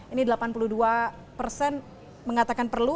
ini delapan puluh dua persen mengatakan perlu